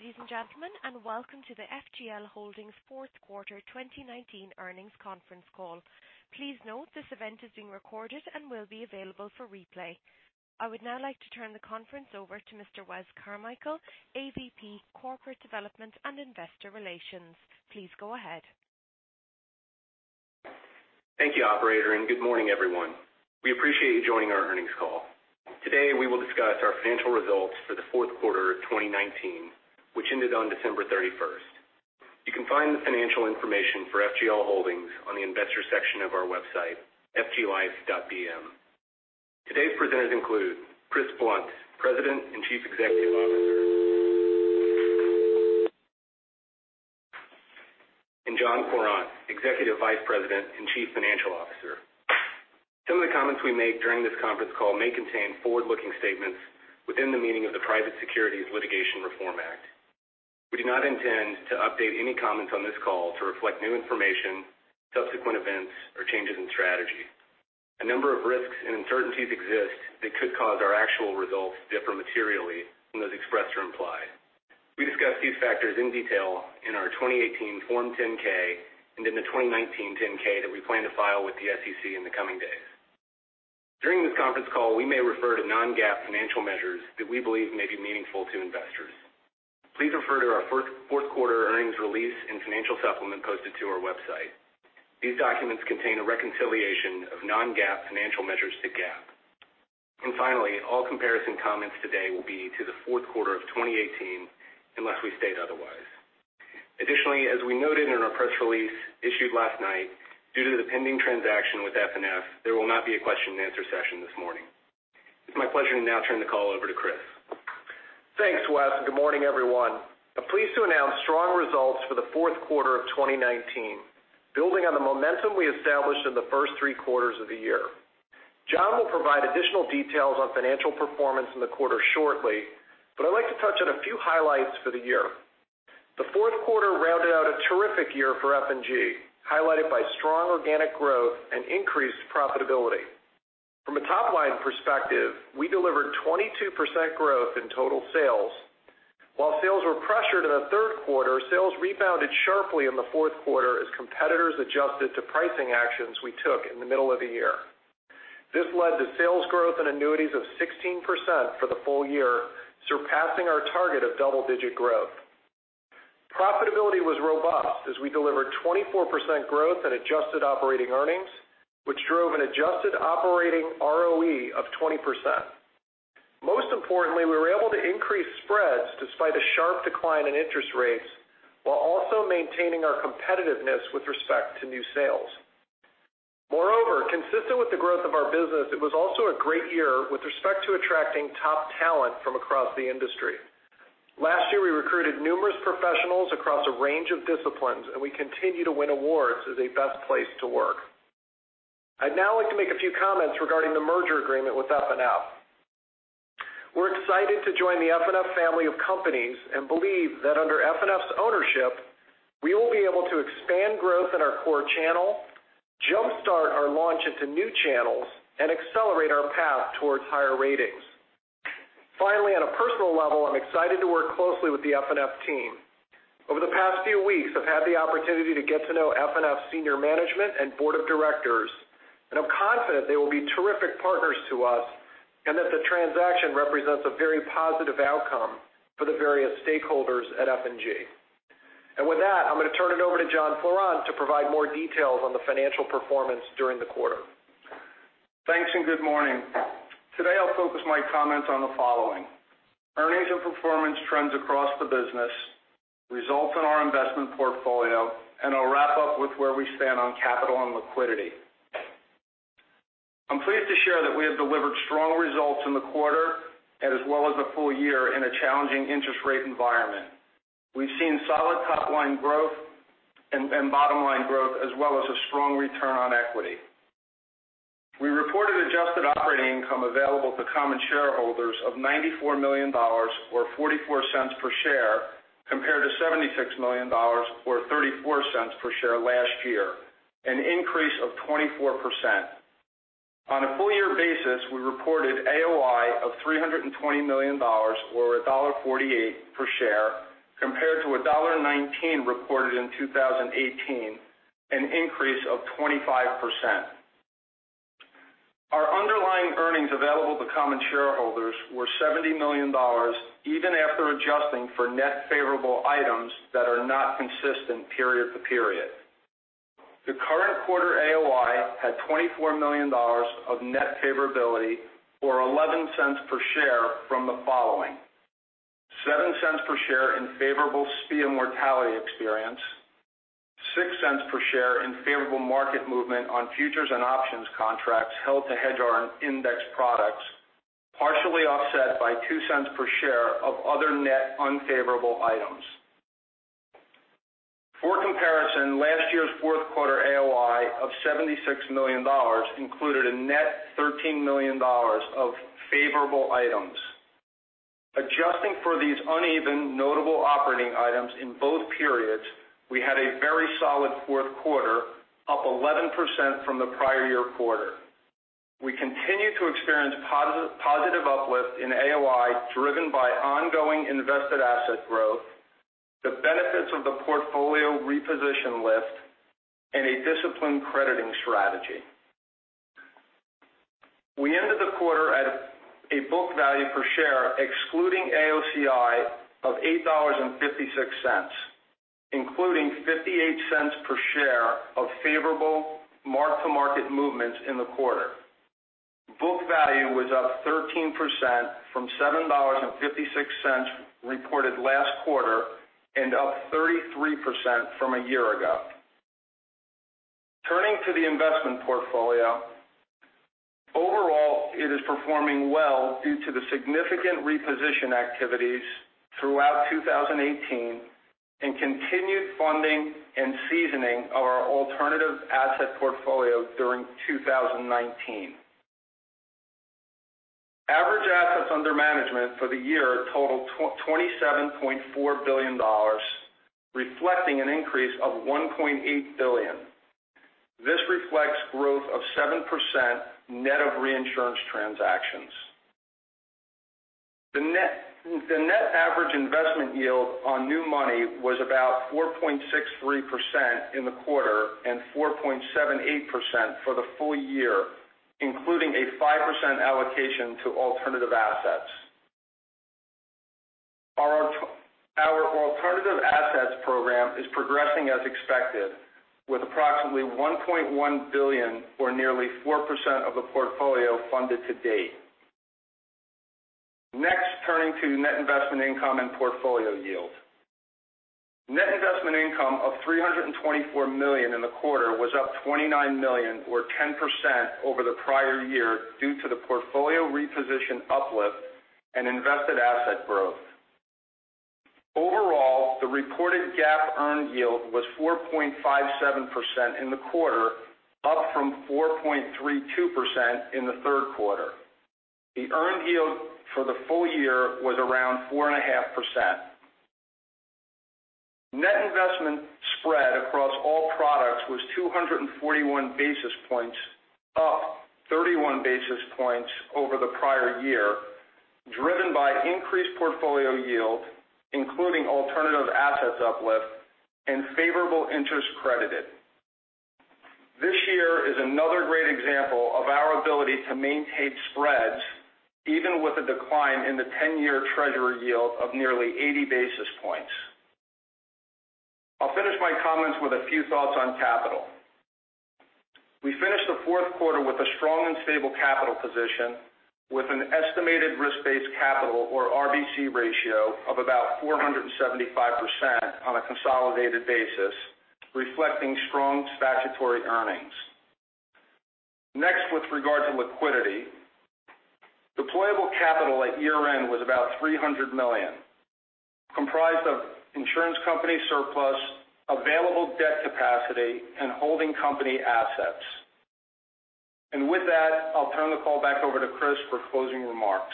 Good morning, ladies and gentlemen, and welcome to the FGL Holdings Fourth Quarter 2019 Earnings Conference Call. Please note this event is being recorded and will be available for replay. I would now like to turn the conference over to Mr. Wes Carmichael, AVP Corporate Development and Investor Relations. Please go ahead. Thank you, operator, good morning, everyone. We appreciate you joining our earnings call. Today we will discuss our financial results for the fourth quarter of 2019, which ended on December 31st. You can find the financial information for FGL Holdings on the investor section of our website, fglife.bm. Today's presenters include Chris Blunt, President and Chief Executive Officer. John Fleurant, Executive Vice President and Chief Financial Officer. Some of the comments we make during this conference call may contain forward-looking statements within the meaning of the Private Securities Litigation Reform Act. We do not intend to update any comments on this call to reflect new information, subsequent events, or changes in strategy. A number of risks and uncertainties exist that could cause our actual results to differ materially from those expressed or implied. We discuss these factors in detail in our 2018 Form 10-K and in the 2019 10-K that we plan to file with the SEC in the coming days. During this conference call, we may refer to non-GAAP financial measures that we believe may be meaningful to investors. Please refer to our fourth quarter earnings release and financial supplement posted to our website. These documents contain a reconciliation of non-GAAP financial measures to GAAP. Finally, all comparison comments today will be to the fourth quarter of 2018, unless we state otherwise. Additionally, as we noted in our press release issued last night, due to the pending transaction with FNF, there will not be a question and answer session this morning. It's my pleasure to now turn the call over to Chris. Thanks, Wes, good morning, everyone. I'm pleased to announce strong results for the fourth quarter of 2019, building on the momentum we established in the first three quarters of the year. John will provide additional details on financial performance in the quarter shortly, I'd like to touch on a few highlights for the year. The fourth quarter rounded out a terrific year for F&G, highlighted by strong organic growth and increased profitability. From a top-line perspective, we delivered 22% growth in total sales. While sales were pressured in the third quarter, sales rebounded sharply in the fourth quarter as competitors adjusted to pricing actions we took in the middle of the year. This led to sales growth and annuities of 16% for the full year, surpassing our target of double-digit growth. Profitability was robust as we delivered 24% growth at adjusted operating earnings, which drove an adjusted operating ROE of 20%. Most importantly, we were able to increase spreads despite a sharp decline in interest rates, while also maintaining our competitiveness with respect to new sales. Moreover, consistent with the growth of our business, it was also a great year with respect to attracting top talent from across the industry. Last year, we recruited numerous professionals across a range of disciplines, and we continue to win awards as a best place to work. I'd now like to make a few comments regarding the merger agreement with FNF. We're excited to join the FNF family of companies and believe that under FNF's ownership, we will be able to expand growth in our core channel, jumpstart our launch into new channels, and accelerate our path towards higher ratings. On a personal level, I'm excited to work closely with the FNF team. Over the past few weeks, I've had the opportunity to get to know FNF senior management and board of directors, and I'm confident they will be terrific partners to us and that the transaction represents a very positive outcome for the various stakeholders at F&G. With that, I'm going to turn it over to John Fleurant to provide more details on the financial performance during the quarter. Thanks, and good morning. Today, I'll focus my comments on the following: Earnings and performance trends across the business, results in our investment portfolio, and I'll wrap up with where we stand on capital and liquidity. I'm pleased to share that we have delivered strong results in the quarter as well as the full year in a challenging interest rate environment. We've seen solid top-line growth and bottom-line growth as well as a strong return on equity. We reported adjusted operating income available to common shareholders of $94 million, or $0.44 per share, compared to $76 million or $0.34 per share last year, an increase of 24%. On a full-year basis, we reported AOI of $320 million or $1.48 per share, compared to $1.19 reported in 2018, an increase of 25%. Our underlying earnings available to common shareholders were $70 million, even after adjusting for net favorable items that are not consistent period to period. The current quarter AOI had $24 million of net favorability, or $0.11 per share from the following: $0.07 per share in favorable SPIA mortality experience, $0.06 per share in favorable market movement on futures and options contracts held to hedge our index products, partially offset by $0.02 per share of other net unfavorable items. For comparison, last year's fourth quarter AOI of $76 million included a net $13 million of favorable items. Adjusting for these uneven notable operating items in both periods, we had a very solid fourth quarter, up 11% from the prior year quarter. We continue to experience positive uplift in AOI driven by ongoing invested asset growth, the benefits of the portfolio reposition lift, and a disciplined crediting strategy. We ended the quarter at a book value per share, excluding AOCI, of $8.56, including $0.58 per share of favorable mark-to-market movements in the quarter. Book value was up 13% from $7.56 reported last quarter and up 33% from a year ago. Turning to the investment portfolio. Overall, it is performing well due to the significant reposition activities throughout 2018 and continued funding and seasoning of our alternative asset portfolio during 2019. Average assets under management for the year totaled $27.4 billion, reflecting an increase of $1.8 billion. This reflects growth of 7% net of reinsurance transactions. The net average investment yield on new money was about 4.63% in the quarter and 4.78% for the full year, including a 5% allocation to alternative assets. Our alternative assets program is progressing as expected with approximately $1.1 billion or nearly 4% of the portfolio funded to date. Turning to net investment income and portfolio yield. Net investment income of $324 million in the quarter was up $29 million or 10% over the prior year due to the portfolio reposition uplift and invested asset growth. Overall, the reported GAAP earned yield was 4.57% in the quarter, up from 4.32% in the third quarter. The earned yield for the full year was around 4.5%. Net investment spread across all products was 241 basis points, up 31 basis points over the prior year, driven by increased portfolio yield, including alternative assets uplift and favorable interest credited. This year is another great example of our ability to maintain spreads even with a decline in the 10-year treasury yield of nearly 80 basis points. I'll finish my comments with a few thoughts on capital. We finished the fourth quarter with a strong and stable capital position with an estimated risk-based capital or RBC ratio of about 475% on a consolidated basis, reflecting strong statutory earnings. With regard to liquidity. Deployable capital at year-end was about $300 million, comprised of insurance company surplus, available debt capacity, and holding company assets. With that, I'll turn the call back over to Chris for closing remarks.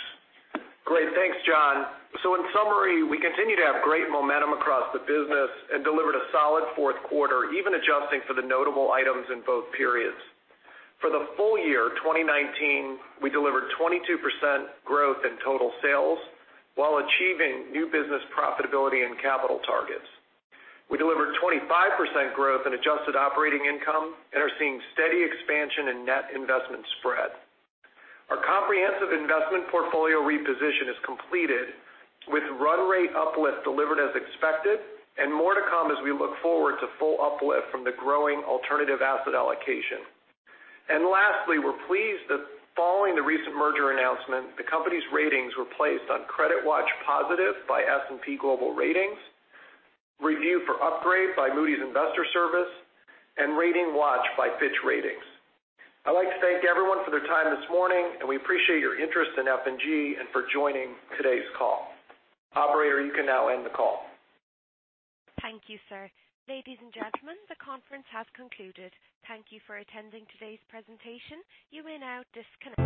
Great. Thanks, John. In summary, we continue to have great momentum across the business and delivered a solid fourth quarter, even adjusting for the notable items in both periods. For the full year 2019, we delivered 22% growth in total sales while achieving new business profitability and capital targets. We delivered 25% growth in adjusted operating income and are seeing steady expansion in net investment spread. Our comprehensive investment portfolio reposition is completed with run rate uplift delivered as expected and more to come as we look forward to full uplift from the growing alternative asset allocation. Lastly, we're pleased that following the recent merger announcement, the company's ratings were placed on credit watch positive by S&P Global Ratings, review for upgrade by Moody's Investors Service, and rating watch by Fitch Ratings. I'd like to thank everyone for their time this morning, and we appreciate your interest in F&G and for joining today's call. Operator, you can now end the call. Thank you, sir. Ladies and gentlemen, the conference has concluded. Thank you for attending today's presentation. You may now disconnect.